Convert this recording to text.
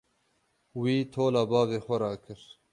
Wî tola bavê xwe rakir.